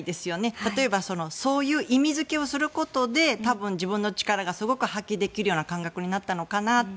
例えばそういう意味付けをすることで多分、自分の力がすごく発揮できるような感覚になったのかなと。